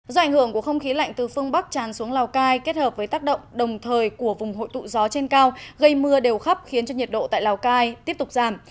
do ảnh hưởng của không khí lạnh từ phương bắc tràn xuống lào cai kết hợp với tác động đồng thời của vùng hội tụ gió trên cao gây mưa đều khắp khiến cho nhiệt độ tại lào cai tiếp tục giảm